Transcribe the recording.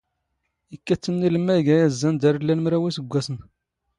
ⵉⴽⴽⴰ ⵜⵜ ⵉⵏⵏ ⵉⵍⵎⵎⴰ ⵉⴳⴰ ⴰⵣⵣⴰⵏ ⴷⴰⵔ ⵍⵍⴰⵏ ⵎⵔⴰⵡ ⵉⵙⴳⴳⵯⴰⵙⵏ.